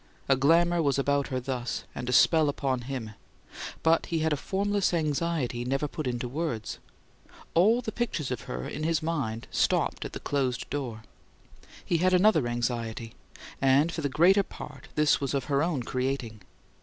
A glamour was about her thus, and a spell upon him; but he had a formless anxiety never put into words: all the pictures of her in his mind stopped at the closed door. He had another anxiety; and, for the greater part, this was of her own creating.